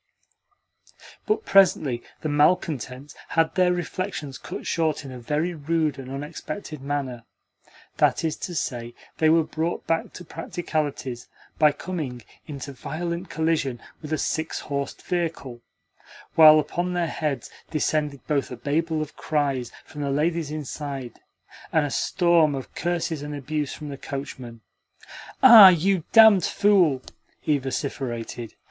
But presently the malcontents had their reflections cut short in a very rude and unexpected manner. That is to say, they were brought back to practicalities by coming into violent collision with a six horsed vehicle, while upon their heads descended both a babel of cries from the ladies inside and a storm of curses and abuse from the coachman. "Ah, you damned fool!" he vociferated.